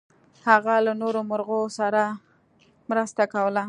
هغه له نورو مرغیو سره مرسته کوله.